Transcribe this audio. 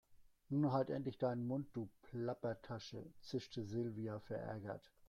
Nun halt endlich deinen Mund, du Plappertasche, zischte Silvia verärgert.